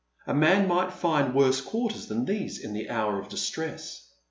A man might find worse quarters than these in the hour of disti^ess.